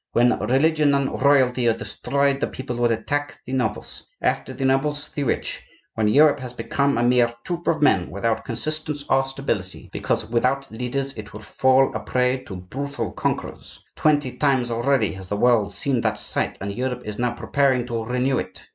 When religion and royalty are destroyed the people will attack the nobles; after the nobles, the rich. When Europe has become a mere troop of men without consistence or stability, because without leaders, it will fall a prey to brutal conquerors. Twenty times already has the world seen that sight, and Europe is now preparing to renew it.